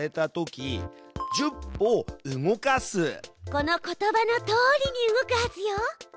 この言葉のとおりに動くはずよ。